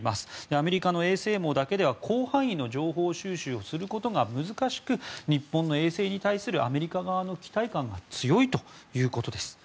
アメリカの衛星網だけでは広範囲の情報収集をすることが難しく日本の衛星に対するアメリカ側の期待感も強いということです。